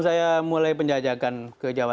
saya mulai penjajakan ke jawa